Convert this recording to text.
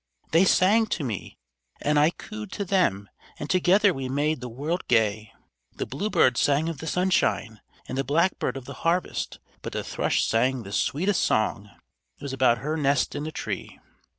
They sang to me and I cooed to them, and together we made the world gay. The bluebird sang of the sunshine, and the blackbird of the harvest; but the thrush sang the sweetest song. It was about her nest in the tree."